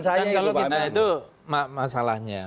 kan kalau kita itu masalahnya